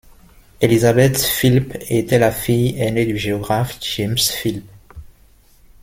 Elizabeth Philp était la fille aînée du géographe James Philp.